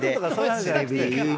そういう話じゃなくて。